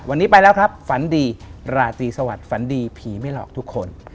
วันนี้ไปแล้วครับฝันดีราตรีสวัสดิฝันดีผีไม่หลอกทุกคน